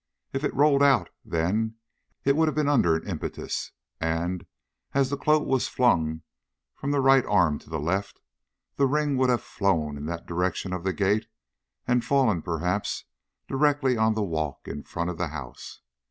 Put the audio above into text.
If it rolled out then it would have been under an impetus, and, as the coat was flung from the right arm to the left, the ring would have flown in the direction of the gate and fallen, perhaps, directly on the walk in front of the house.